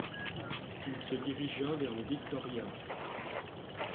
Il se dirigea vers le Victoria.